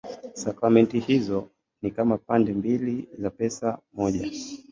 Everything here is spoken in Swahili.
Sakramenti hizo ni kama pande mbili za pesa moja.